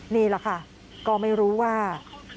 นี่แหละค่ะก็ไม่รู้ว่า